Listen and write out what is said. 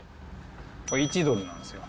これ１ドルなんですよ。